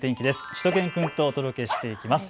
しゅと犬くんとお届けしていきます。